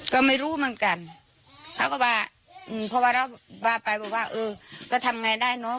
ก็ไม่รู้เหมือนกันเค้าก็ว่าพอว่าเราปานไปว่าเออก็ทำยังไงได้เนาะ